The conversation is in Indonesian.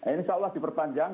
insya allah diperpanjang